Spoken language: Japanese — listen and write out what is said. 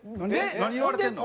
何言われてんの？